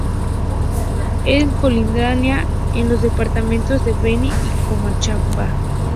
En colindancia con los departamentos de Beni y Cochabamba.